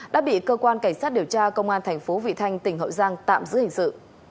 đã bị cơ quan cảnh sát điều tra công an thành phố vị thanh tỉnh hậu giang tạm giữ hình sự